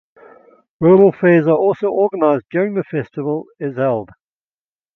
Rural fairs are also organised during the festival is held.